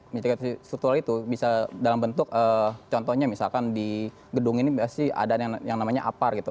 mitigasi struktural itu bisa dalam bentuk contohnya misalkan di gedung ini pasti ada yang namanya apar gitu